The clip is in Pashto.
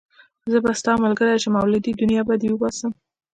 زه به ستا ملګری شم او له دې دنيا به دې وباسم.